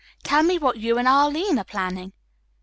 "Tell me what you and Arline are planning!"